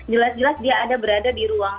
jelas jelas dia ada berada di ruang